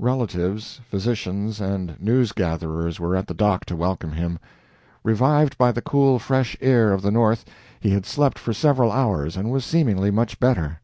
Relatives, physicians, and news gatherers were at the dock to welcome him. Revived by the cool, fresh air of the North, he had slept for several hours and was seemingly much better.